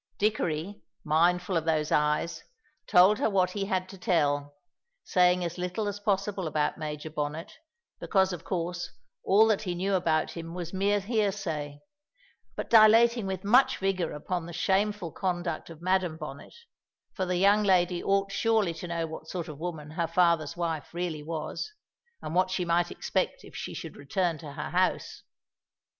Dickory, mindful of those eyes, told her what he had to tell, saying as little as possible about Major Bonnet because, of course, all that he knew about him was mere hearsay but dilating with much vigour upon the shameful conduct of Madam Bonnet; for the young lady ought surely to know what sort of a woman her father's wife really was, and what she might expect if she should return to her house.